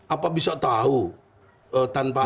apa bisa tahu tanpa it ini